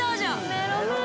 メロメロ